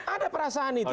ada perasaan itu